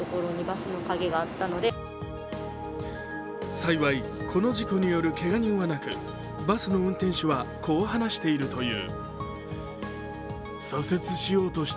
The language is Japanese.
幸いこの事故によるけが人はなくバスの運転手はこう話しているという。